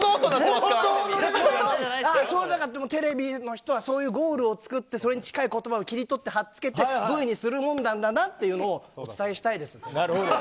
テレビの人はそういうゴールを作ってそれに近い言葉を切り取って貼り付けてＶにするものなんだなというのをお伝えしたいです。